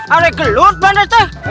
ada yang gelut banget tuh